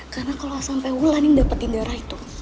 karena kalo sampe wulan yang dapetin darah itu